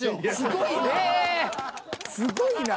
すごいな。